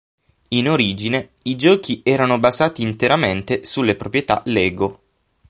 In origine, i giochi erano basati interamente sulle proprietà Lego.